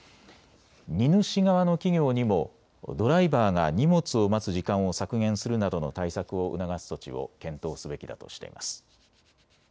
荷主側の企業にもドライバーが荷物を待つ時間を削減するなどのの対策を促す措置を検討すべきだとしています。